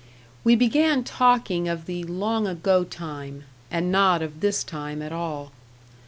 We began talking of the long ago time, and not of this time at all.